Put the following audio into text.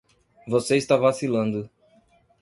Você está vacilando.